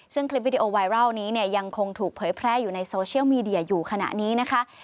ซึ่งคลิปวิดีโอไวรัลนี้เนี่ยยังคงถูกเผยแพร่อยู่ในโซเชียลมีเดียอยู่ขณะนี้นะคะ